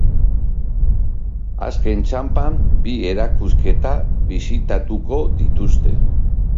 Azken txanpan, bi erakusketa bisitatuko dituzte.